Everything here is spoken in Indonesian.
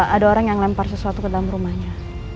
ada orang yang lempar sesuatu ke dalam rumahnya